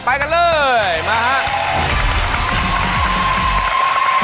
ไปกันเลยมาฮะ